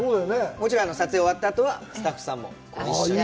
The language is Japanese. もちろん撮影が終わった後は、スタッフさんも一緒に。